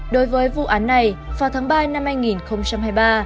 đối với vụ án này vào tháng ba năm hai nghìn hai mươi ba